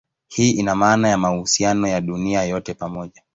Hii ina maana ya mahusiano ya dunia yote pamoja.